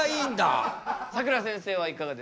さくらせんせいはいかがですか？